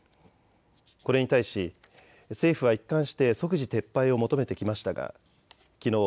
これに対し政府は一貫して即時撤廃を求めてきましたがきのう